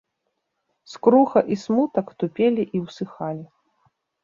Скруха і смутак тупелі і ўсыхалі.